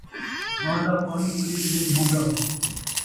وہن٘دا پاݨی پلیت نئیں ہون٘دا